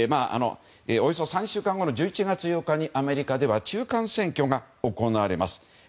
およそ３週間後の１１月８日にアメリカでは中間選挙が行われます。